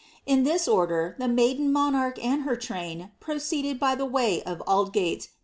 In this order, the maiden monarch and her Inu >y the way of Aldgate.